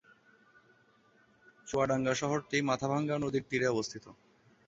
চুয়াডাঙ্গা শহরটি মাথাভাঙ্গা নদীর তীরে অবস্থিত।